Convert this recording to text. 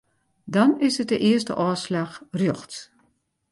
Dan is it de earste ôfslach rjochts.